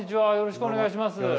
よろしくお願いします。